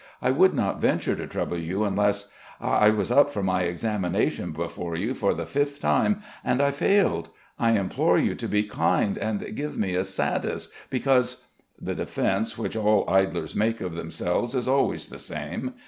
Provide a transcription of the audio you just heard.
"I would not venture to trouble you unless.... I was up for my examination before you for the fifth time ... and I failed. I implore you to be kind, and give me a 'satis,' because...." The defence which all idlers make of themselves is always the same.